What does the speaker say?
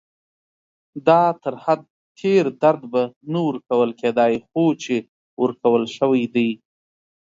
دا تر حد تېر درد به نه ورکول کېدای، خو چې ورکول شوی دی.